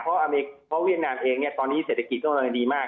เพราะเวียดนามเองเนี่ยตอนนี้เศรษฐกิจก็วนดีมาก